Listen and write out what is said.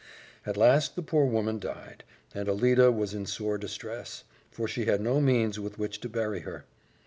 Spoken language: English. At last the poor woman died, and Alida was in sore distress, for she had no means with which to bury her.